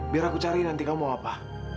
biar aku cari nanti kamu mau apa